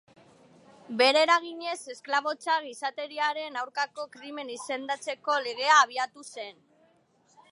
Bere eraginez esklabotza gizateriaren aurkako krimen izendatzeko legea abiatu zen.